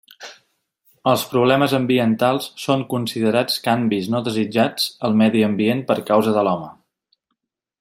Els problemes ambientals són considerats canvis no desitjats al medi ambient per causa de l’home.